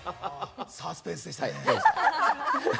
サスペンスでしたね。